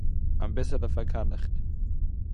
אַביסעלע פאַרקאַלכט